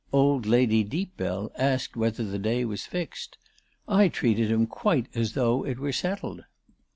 Old Lady Deepbell asked whether the day was fixed. I treated him quite as though it were settled.